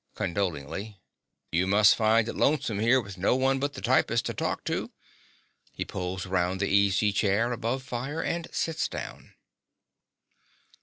(Condolingly.) You must find it lonesome here with no one but the typist to talk to. (He pulls round the easy chair above fire, and sits down.)